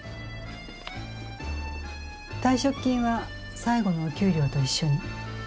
退職金は最後のお給料と一緒に。